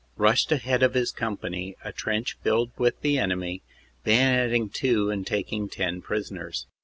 rushed ahead of his Company a trench filled with the enemy, bayonetting two and taking 10 prisoners.